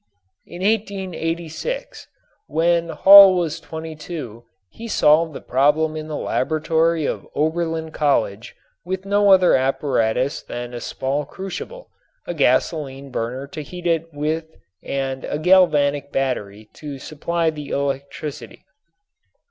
In 1886, when Hall was twenty two, he solved the problem in the laboratory of Oberlin College with no other apparatus than a small crucible, a gasoline burner to heat it with and a galvanic battery to supply the electricity.